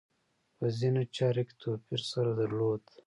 په ځینو چارو کې توپیر سره درلود.